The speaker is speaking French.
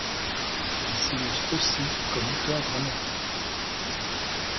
Il s'illustre aussi comme auteur dramatique.